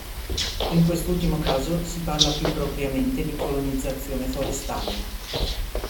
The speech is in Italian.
In quest'ultimo caso si parla più propriamente di colonizzazione forestale.